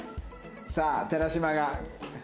さあ寺島が。